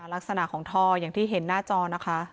ลักษณะของท่ออย่างที่เห็นหน้าจอนะคะ